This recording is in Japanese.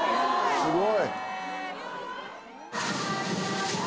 すごい。